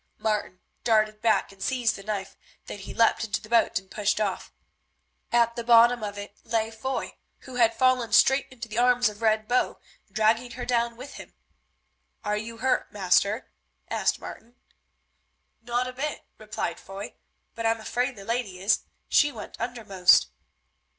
Martin darted back and seized the knife, then he leapt into the boat and pushed off. At the bottom of it lay Foy, who had fallen straight into the arms of Red Bow, dragging her down with him. "Are you hurt, master?" asked Martin. "Not a bit," replied Foy, "but I am afraid the lady is. She went undermost."